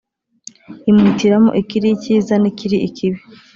imuhitiramo ikiri icyiza n ikiri ikibi